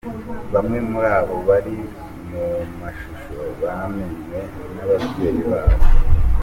Bamwe muri abo bari mu mashusho bamenywe n'ababyeyi babo.